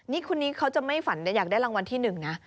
นี่คนนี้เขาจะไม่ฝันแต่อยากได้รางวัลที่๑นะ